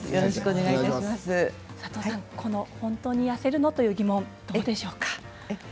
佐藤さん、本当に痩せるの？という疑問どうでしょうか。